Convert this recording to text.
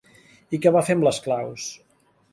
I què va fer amb les claus?